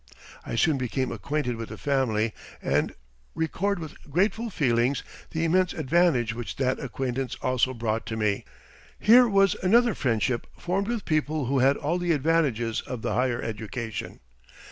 I soon became acquainted with the family and record with grateful feelings the immense advantage which that acquaintance also brought to me. Here was another friendship formed with people who had all the advantages of the higher education.